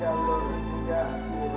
terima kasih kek